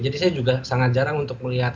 jadi saya juga sangat jarang untuk melihat